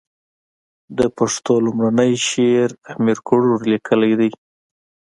د پښتو لومړنی شعر امير کروړ ليکلی ده.